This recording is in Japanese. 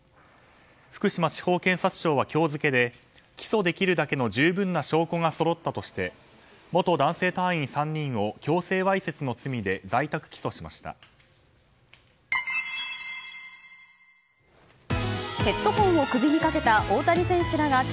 福島地方検察庁は今日付で起訴できるだけの十分な証拠がそろったとして元男性隊員３人を強制わいせつの罪でずーっと雪ならいいのにねー！